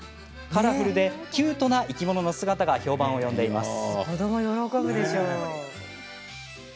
カラフルでキュートな生き物の姿が評判を呼んでいます。